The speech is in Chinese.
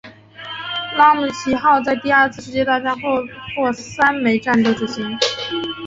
拉姆齐号在第二次世界大战共获三枚战斗之星。